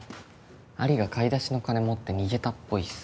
アリが買い出しの金持って逃げたっぽいっす。